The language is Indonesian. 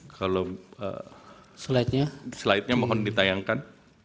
kalau slide nya mohon ditayangkan